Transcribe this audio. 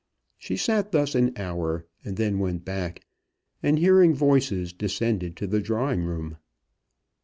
She sat thus an hour, and then went back, and, hearing voices, descended to the drawing room.